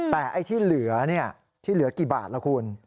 แต่ที่เหลือกี่บาทแล้วคุณ